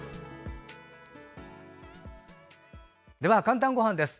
では、「かんたんごはん」です。